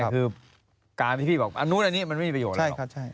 คือการที่พี่บอกอันนู้นอันนี้มันไม่มีประโยชน์หรอก